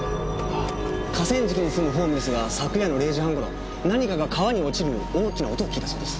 河川敷に住むホームレスが昨夜の０時半頃何かが川に落ちる大きな音を聞いたそうです。